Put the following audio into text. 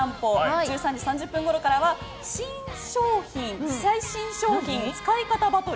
１３時３０分ごろからは最新商品使い方バトル！